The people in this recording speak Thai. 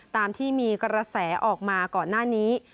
ตามที่มีกระแสออกมาก่อนหน้านี้